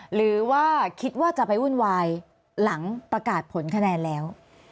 หรือว่าคิดว่าจะไปวุ่นวายหลังประกาศผลคะแนนแล้ว